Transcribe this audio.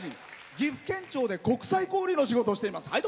岐阜県庁で国際交流の仕事をしています。